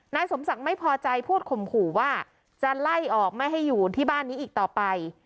นายสมศักดิ์ไม่พอใจพูดข่มขู่ว่าจะไล่ออกไม่ให้อยู่ที่บ้านนี้อีกต่อไป